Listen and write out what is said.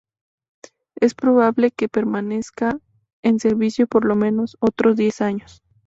Es probable que permanezca en servicio por lo menos otros diez años.